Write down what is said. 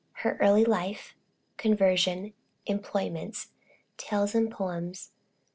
HER EARLY LIFE. CONVERSION. EMPLOYMENTS. TALES AND POEMS.